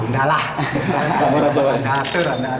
terserah anda lah anda atur anda atur